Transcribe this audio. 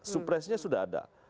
supresnya sudah ada